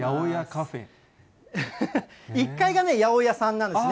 １階がね、八百屋さんなんですね。